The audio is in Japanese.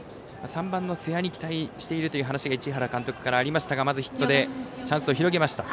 ３番の瀬谷に期待しているという話が市原監督からありましたがまずヒットでチャンスを広げました。